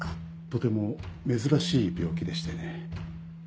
とても珍しい病気でしてね。